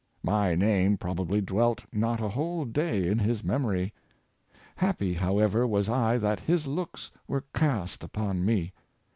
My name probably dwelt not a whole day in his memory. Happy, however, was I that his looks were cast upon me.